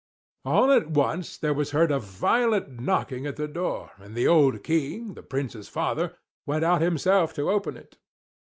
All at once there was heard a violent knocking at the door, and the old King, the Prince's father, went out himself to open it.